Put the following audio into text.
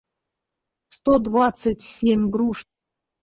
сто двадцать семь груш